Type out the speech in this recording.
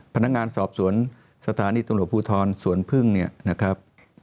พนักงานสอบสวนสถานีตำรวจภูทรสวนพึ่งเนี่ยนะครับ